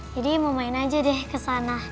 jadi mau main aja deh kesana